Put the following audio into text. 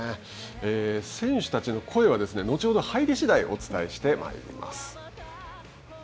選手たちの声は、後ほど入り次第お伝えしてまいります。